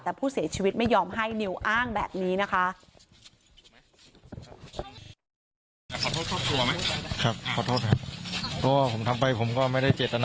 แต่ผู้เสียชีวิตไม่ยอมให้นิวอ้างแบบนี้นะคะ